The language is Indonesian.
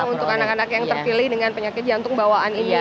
untuk anak anak yang terpilih dengan penyakit jantung bawaan ini